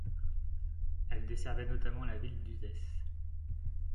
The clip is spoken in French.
Elle desservait notamment la ville d'Uzès.